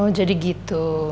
oh jadi gitu